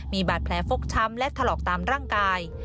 มีบาดแผลฟกช้ำและถลอกตามร่างกาย